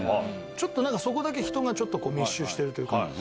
ちょっとそこだけ人が密集してるというか。